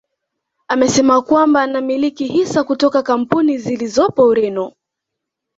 Amesema kwamba anamiliki hisa kutoka kampuni zilizopo Ureno